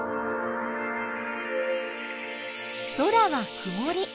空はくもり。